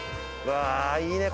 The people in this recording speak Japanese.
わあいいね